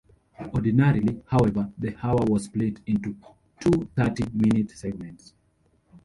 Ordinarily, however, the hour was split into two thirty-minute segments.